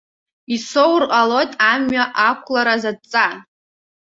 Исоур ҟалоит амҩа ақәлараз адҵа.